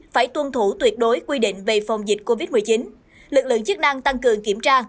phải tuân thủ tuyệt đối quy định về phòng dịch covid một mươi chín lực lượng chức năng tăng cường kiểm tra